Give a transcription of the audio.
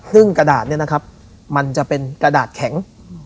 ซึ่งกระดาษเนี่ยนะครับมันจะเป็นกระดาษแข็ง